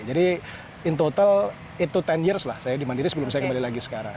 jadi in total delapan to sepuluh years lah saya di mandiri sebelum saya kembali lagi sekarang